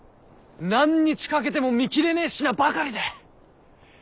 何日かけても見切れねえ品ばかりだ。